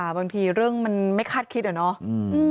บางทีเรื่องมันไม่คาดคิดอะเนาะ